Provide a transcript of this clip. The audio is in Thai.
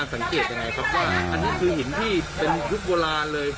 ว่าอันนี้คือหินที่เป็นรูปโบราณเลย